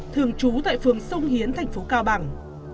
thường trú tại phường sông hiến thành phố cao bằng